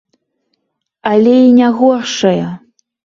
Але і не горшая.